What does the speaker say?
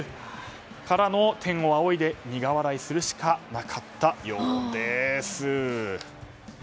からの、天を仰いで苦笑いするしかなかったようです。